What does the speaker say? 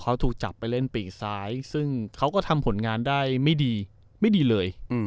เขาถูกจับไปเล่นปีกซ้ายซึ่งเขาก็ทำผลงานได้ไม่ดีไม่ดีเลย